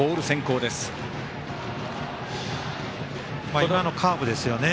このカーブですよね。